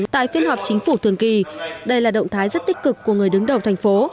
tại phiên họp chính phủ thường kỳ đây là động thái rất tích cực của người đứng đầu thành phố